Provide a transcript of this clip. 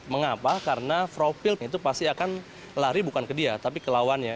mengapa karena profilnya itu pasti akan lari bukan ke dia tapi ke lawannya